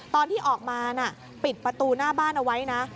ตอนที่ออกมาปิดประตูหน้าบ้านเอาไว้นะ